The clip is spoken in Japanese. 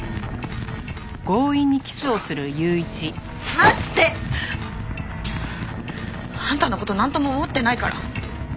離して！あんたの事なんとも思ってないから。